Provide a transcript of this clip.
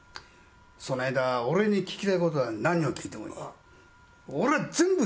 その間、俺に聞きたいことは何を聞いてもいい。